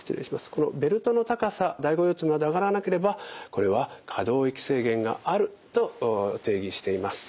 このベルトの高さ第５腰椎まで上がらなければこれは可動域制限があると定義しています。